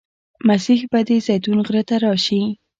مسیح به د زیتون غره ته راشي.